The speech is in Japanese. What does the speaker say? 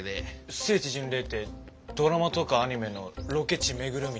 聖地巡礼ってドラマとかアニメのロケ地巡るみたいな？